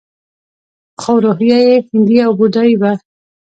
خو روحیه یې هندي او بودايي وه